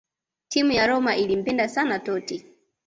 Timu ya Roma ilimpenda sana Totti